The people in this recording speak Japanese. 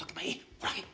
ほら。